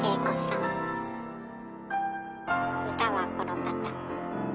歌はこの方。